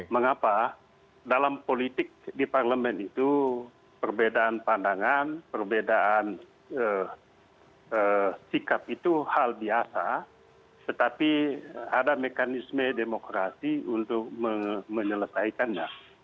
mengapa dalam politik di parlemen itu perbedaan pandangan perbedaan sikap itu hal biasa tetapi ada mekanisme demokrasi untuk menyelesaikannya